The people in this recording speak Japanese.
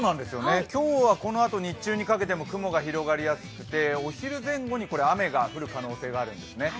今日はこのあと日中にかけても雲が広がりやすくてお昼前後に雨が降る可能性があるんですね。